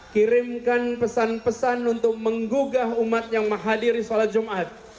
kirimkan pesan pesan untuk menggugah umat yang menghadiri sholat jumat